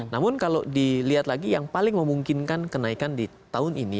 namun kalau dilihat lagi yang paling memungkinkan kenaikan di tahun ini